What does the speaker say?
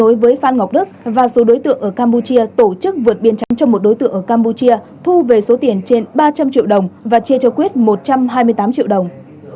đối với phan ngọc đức và số đối tượng ở campuchia tổ chức vượt biên trắng cho một đối tượng ở campuchia thu về số tiền trên ba trăm linh triệu đồng và chia cho quyết một trăm hai mươi tám triệu đồng